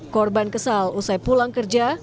korban kesal usai pulang kerja